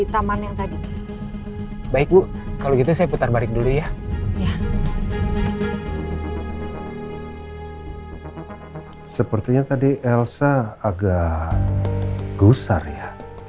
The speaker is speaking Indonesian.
taman yang tadi baik bu kalau gitu saya putar balik dulu ya sepertinya tadi elsa agak gusar ya